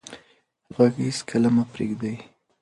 غږ هېڅکله مه پرېږدئ.